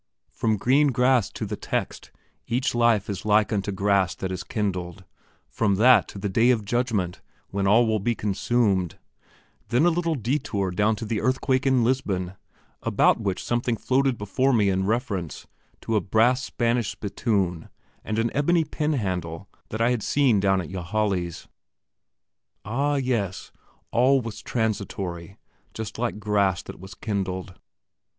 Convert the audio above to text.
From green grass to the text, Each life is like unto grass that is kindled; from that to the Day of Judgment, when all will be consumed; then a little detour down to the earthquake in Lisbon, about which something floated before me in reference to a brass Spanish spittoon and an ebony pen handle that I had seen down at Ylajali's. Ah, yes, all was transitory, just like grass that was kindled.